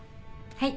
はい。